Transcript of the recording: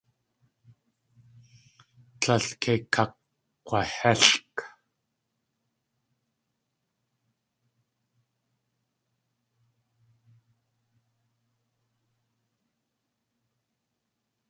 Tlél kei kakg̲wahélʼk.